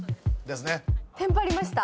テンパりました。